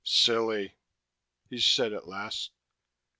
"Silly," he said at last.